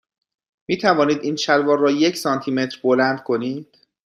می توانید این شلوار را یک سانتی متر بلند کنید؟